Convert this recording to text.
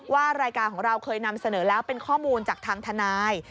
รายการของเราเคยนำเสนอแล้วเป็นข้อมูลจากทางทนาย